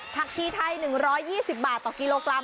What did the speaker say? ชีไทย๑๒๐บาทต่อกิโลกรัม